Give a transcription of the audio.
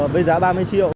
với giá ba mươi triệu